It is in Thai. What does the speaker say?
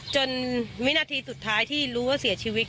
วินาทีสุดท้ายที่รู้ว่าเสียชีวิต